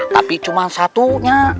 tapi cuma satunya